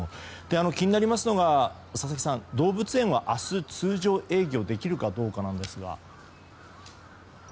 気になりますのが佐々木さん、動物園が明日通常営業できるかどうかなんですが。